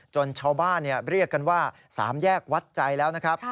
ชาวบ้านเรียกกันว่า๓แยกวัดใจแล้วนะครับ